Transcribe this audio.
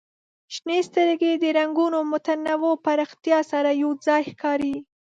شنې سترګې د رنګونو متنوع پراختیا سره یو ځای ښکاري.